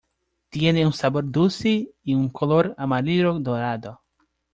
Tiene un sabor dulce y un color amarillo-dorado.